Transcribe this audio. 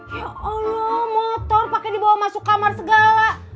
ya allah motor pakai dibawa masuk kamar segala